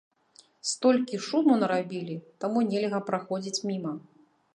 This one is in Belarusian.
Столькі шуму нарабілі, таму нельга праходзіць міма.